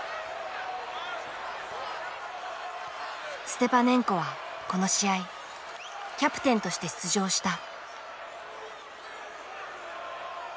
ステパネンコはこの試合キャプテンとして出場した。